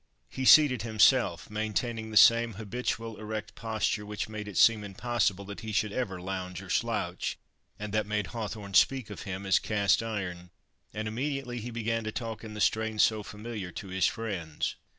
He seated himself, maintaining the same habitual erect posture, which made it seem impossible that he could ever lounge or slouch, and that made Hawthorne speak of him as "cast iron," and immediately he began to talk in the strain so familiar to his friends.